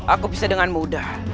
aku bisa dengan mudah